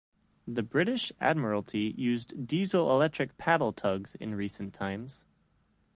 The British Admiralty used diesel-electric paddle tugs in recent times.